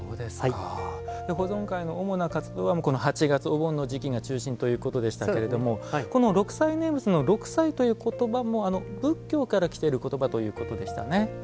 保存会の主な活動はこの８月、お盆の時期が中心ということでしたけれどもこの六斎念仏の六斎という言葉も仏教から来ている言葉ということでしたね。